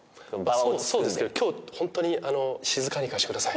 そうですけど今日ホントに静かにいかせてください。